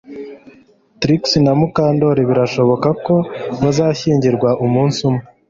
Trix na Mukandoli birashoboka ko bazashyingirwa umunsi umwe